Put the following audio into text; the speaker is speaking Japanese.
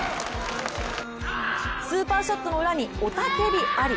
スーパーショットの裏に雄たけびあり。